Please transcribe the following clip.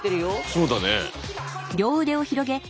そうだね。